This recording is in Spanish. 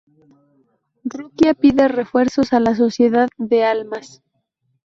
Rukia pide refuerzos a la Sociedad de Almas.